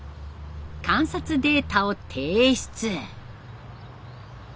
観察データを提出。